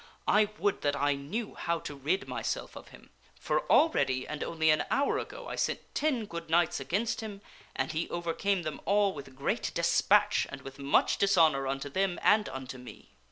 I would that I knew how to rid myself of him ; for already, and only an hour ago, I sent ten good knights against him, and he overcame them all with great despatch and with much dishonor unto them and unto me."